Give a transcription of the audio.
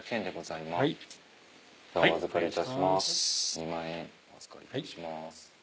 ２万円お預かりいたします。